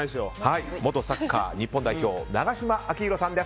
元サッカー日本代表永島昭浩さんです。